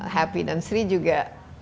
happy dan sri juga